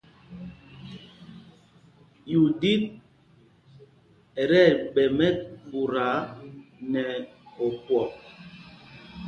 Yúɗit ɛ́ tí ɛɓɛ mɛ́ɓuta nɛ opwɔk.